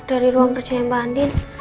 dari ruang kerjanya mbak andin